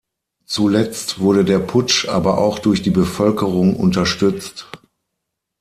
Zuletzt wurde der Putsch aber auch durch die Bevölkerung unterstützt.